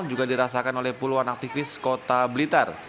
juga dirasakan oleh puluhan aktivis kota blitar